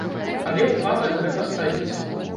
Але ў планах гэта стаіць.